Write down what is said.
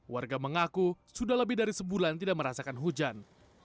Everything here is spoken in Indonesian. warga mengaku sudah lebih dari sebulan tidak merasakan hujan